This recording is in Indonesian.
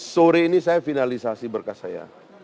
sore ini saya finalisasi berkas saya